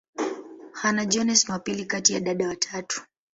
Hannah-Jones ni wa pili kati ya dada watatu.